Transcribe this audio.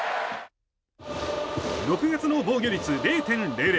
６月の防御率０．００。